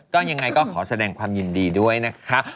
ก็ยังไงก็ขอแสดงความยินดีด้วยนะคะ